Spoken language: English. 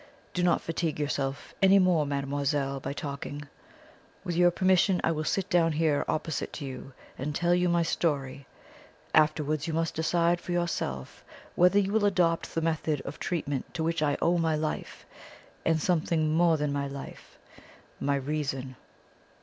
Do not fatigue yourself any more, mademoiselle, by talking. With your permission I will sit down here opposite to you and tell you my story. Afterwards you must decide for yourself whether you will adopt the method of treatment to which I owe my life, and something more than my life my reason."